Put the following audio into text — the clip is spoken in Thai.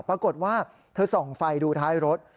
ปรากฏว่าเธอส่องไฟดูท้ายรถ